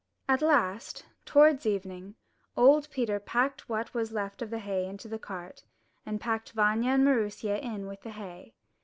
. At last, towards evening, old Peter packed what was left of the hay into the cart, and packed Vanya and Maroosia in with the hay.